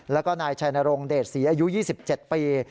แล้วก็นายชัยนรงเดชศรีอายุ๒๗ปี